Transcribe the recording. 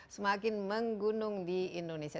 semakin menggunung di indonesia